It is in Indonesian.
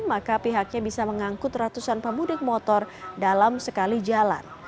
maka pihaknya bisa mengangkut ratusan pemudik motor dalam sekali jalan